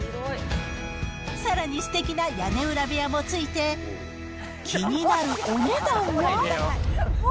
さらに、すてきな屋根裏部屋もついて、気になるお値段は？